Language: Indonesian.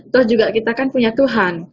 toh juga kita kan punya tuhan